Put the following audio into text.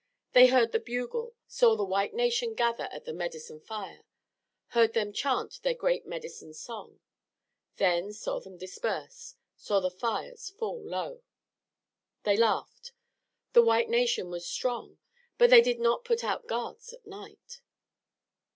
They heard the bugle, saw the white nation gather at the medicine fire, heard them chant their great medicine song; then saw them disperse; saw the fires fall low. They laughed. The white nation was strong, but they did not put out guards at night!